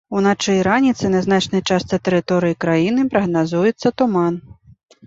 Уначы і раніцай на значнай частцы тэрыторыі краіны прагназуецца туман.